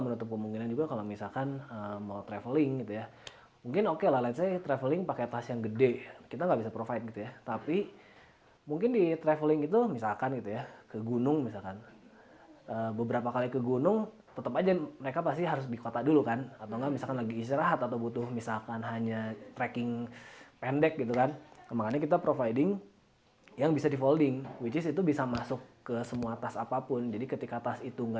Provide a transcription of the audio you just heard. berita terkini mengenai cuaca ekstrem dua ribu dua puluh satu di bandung